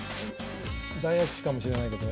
大悪手かもしれないけど。